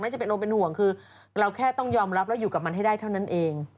จะเป็นอมเป็นห่วงคือเราแค่ต้องยอมรับแล้วอยู่กับมันให้ได้เท่านั้นเอง